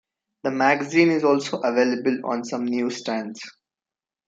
The magazine is also available on some newsstands.